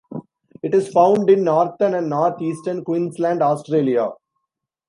It is found in northern and north-eastern Queensland, Australia.